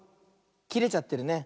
きれちゃってるね。